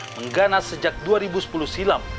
mengganas sejak dua ribu sepuluh silam